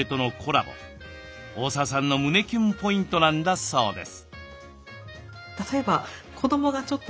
大澤さんの胸キュンポイントなんだそうです。